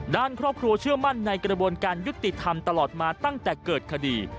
ด้านครอบครัวเชื่อมั่นในกระบวนการยุติธรรมตลอดมาตั้งแต่เกิดคดี